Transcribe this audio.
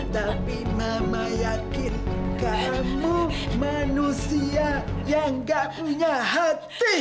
tapi mama yakin kamu manusia yang gak punya hati